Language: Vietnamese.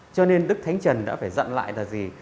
cho nên đức thánh trần đã phải dặn lại là gì